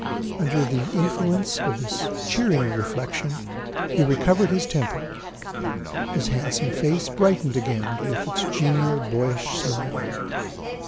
Under the influence of this cheering reflection, he recovered his temper; his handsome face brightened again with its genial boyish smile.